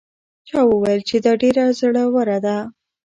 چا وویل چې دا ډېره زړه وره ده؟